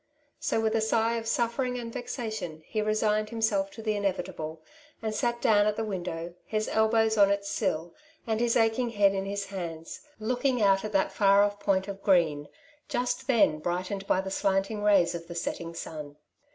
so with a sigh of suffering and vexation he resigned himself to the inevitable, and sat down at the window, his elbows on its sill and his aching head in his hands, looking out at that far off point of green, just then brightened by the slanting rays of the setting sun.